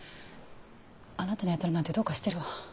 あなたに当たるなんてどうかしてるわ。